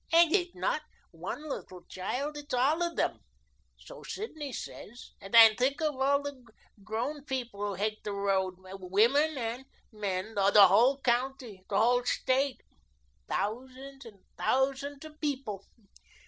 And it's not one child, it's all of them, so Sidney says; and think of all the grown people who hate the road, women and men, the whole county, the whole State, thousands and thousands of people.